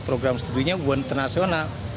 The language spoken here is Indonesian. program studinya hubungan internasional